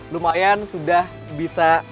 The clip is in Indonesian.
lumayan sudah bisa